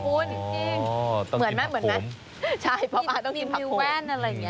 อ๋อต้องกินผักโขมเหมือนไหมเหมือนไหมใช่ป๊อปอายต้องกินผักโขมมีมิวแว่นอะไรอย่างเงี้ย